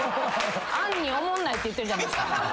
「おもんない」って言ってるじゃないですか。